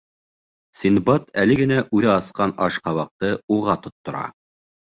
Синдбад әле генә үҙе асҡан ашҡабаҡты уға тоттора.